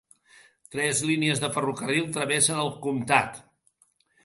Tres línies de ferrocarril travessen el comtat.